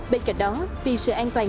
bên cạnh đó vì sự an toàn